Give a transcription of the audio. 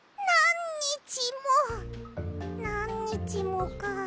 なんにちもか。